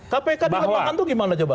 kpk dilemahkan itu gimana coba